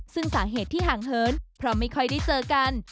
ซึ่งสาเหตุที่ห่างเหินเพราะไม่ค่อยได้เจอกัน